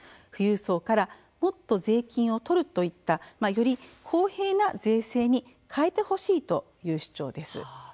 富裕層からもっと税金をとるといった、より公平な税制に変えてほしいという主張です。